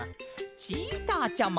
チーターちゃま！